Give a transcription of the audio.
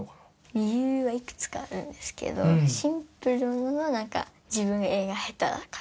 理由はいくつかあるんですけど、シンプルなのは、なんか、自分、絵が下手だから。